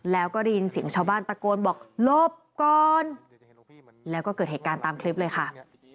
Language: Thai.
แล้วก็ได้ยินเสียงชาวบ้านตะโกนบอกหลบก่อนแล้วก็เกิดเหตุการณ์ตามคลิปเลยค่ะ